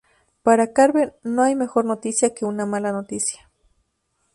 Para Carver ""no hay mejor noticia que una mala noticia"".